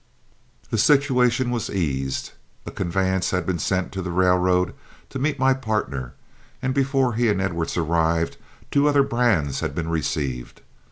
The situation was eased. A conveyance had been sent to the railroad to meet my partner, and before he and Edwards arrived two other brands had been received.